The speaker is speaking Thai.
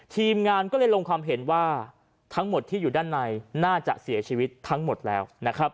ทีมงานก็เลยลงความเห็นว่าทั้งหมดที่อยู่ด้านในน่าจะเสียชีวิตทั้งหมดแล้วนะครับ